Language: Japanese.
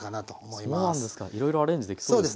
いろいろアレンジできそうですね。